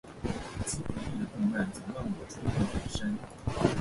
吉卜力的动漫总让我触动很深